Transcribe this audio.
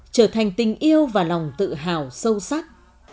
trở thành tình yêu và lòng tự hào sâu sắc